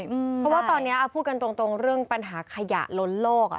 เพราะว่าตอนนี้พูดกันตรงเรื่องปัญหาขยะล้นโลก